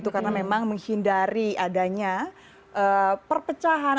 karena memang menghindari adanya perpecahan